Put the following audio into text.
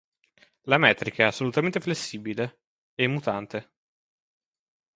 La metrica è assolutamente flessibile, e mutante.